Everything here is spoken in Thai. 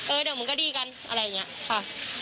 เดี๋ยวมันก็ดีกันอะไรอย่างนี้ค่ะ